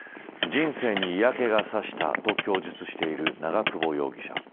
人生に嫌気がさしたと供述している長久保容疑者。